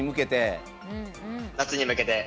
夏に向けて。